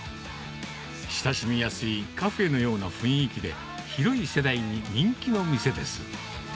親しみやすいカフェのような雰囲気で、広い世代に人気の店です。